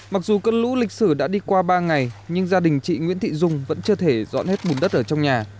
mặc dù cơn lũ lịch sử đã đi qua ba ngày nhưng gia đình chị nguyễn thị dung vẫn chưa thể dọn hết bùn đất ở trong nhà